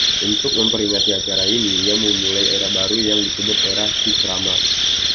Untuk memperingati acara ini, ia memulai era baru yang disebut "era Vikrama".